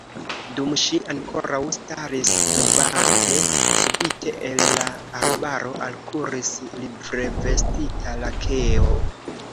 Dum ŝi ankoraŭ staris dubante, subite el la arbaro alkuris livrevestita lakeo